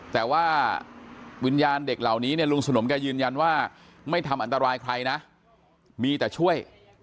แต่ว่าวิญญาณเด็กเหล่านี้เนี่ยลุงสนมแกยืนยันว่าไม่ทำอันตรายใครนะมีแต่ช่วย